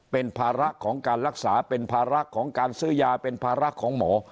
เป็นภาระของการรักษาเป็นภาระของการซื้อยาเป็นภาระของหมอ